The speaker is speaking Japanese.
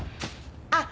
あっ。